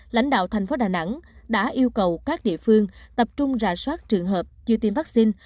lãnh đạo tp đà nẵng đã yêu cầu các địa phương tập trung ra soát trường hợp chưa tiêm vaccine